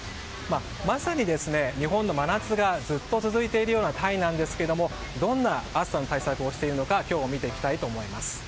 まさに、日本の真夏がずっと続いているようなタイなんですがどんな暑さの対策をしているのか今日は見ていきたいと思います。